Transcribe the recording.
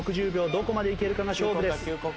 どこまで行けるかが勝負です。